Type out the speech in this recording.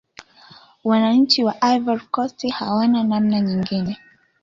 wananchi wa ivory coast hawana namna nyingine